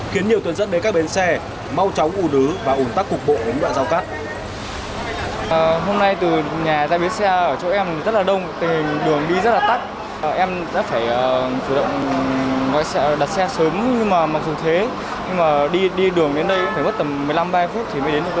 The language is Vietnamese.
khiến nhiều tuyến dẫn đến các bến xe mau chóng ủ nứ và ủn tắc cục bộ đến đoạn giao cắt